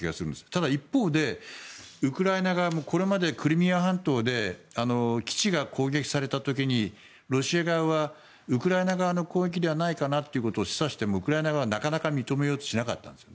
ただ一方で、ウクライナ側もこれまでクリミア半島で基地が攻撃された時にロシア側はウクライナ側の攻撃ではないかなと示唆してもウクライナ側はなかなか認めようとしなかったんです。